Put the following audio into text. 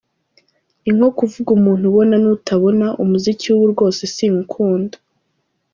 Ni nko kuvuga umuntu ubona n’utabona, umuziki w’ubu rwose sinywukunda.